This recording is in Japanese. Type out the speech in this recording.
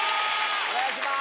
お願いします！